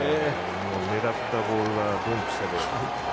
もう狙ったボールがドンピシャで。